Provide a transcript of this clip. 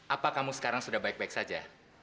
apa kamu sekarang sudah baik baik saja